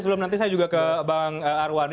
sebelum nanti saya juga ke bang arwani